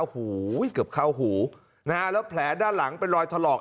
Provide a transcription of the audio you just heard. โอ้โหเกือบเข้าหูนะฮะแล้วแผลด้านหลังเป็นรอยถลอก